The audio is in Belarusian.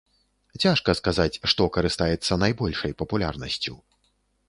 Цяжка сказаць, што карыстаецца найбольшай папулярнасцю.